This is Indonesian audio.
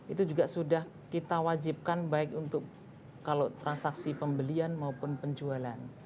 itu juga sudah kita wajibkan baik untuk kalau transaksi pembelian maupun penjualan